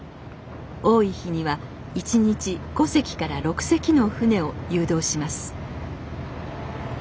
多い日には１日５隻から６隻の船を誘導します